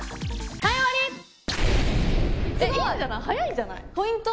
はやいんじゃない？